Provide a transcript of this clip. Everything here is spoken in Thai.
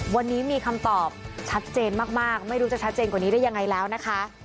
วันนี้มีคำตอบชัดเจนมากไม่รู้จะชัดเจนกว่านี้ได้ยังไงแล้วนะคะ